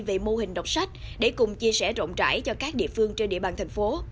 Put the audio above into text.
về mô hình đọc sách để cùng chia sẻ rộng rãi cho các địa phương trên địa bàn thành phố